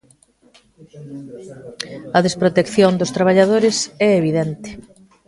A desprotección dos traballadores é evidente.